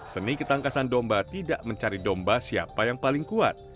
seni ketangkasan domba tidak mencari domba siapa yang paling kuat